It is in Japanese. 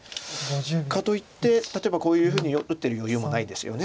かといって例えばこういうふうに打ってる余裕もないですよね。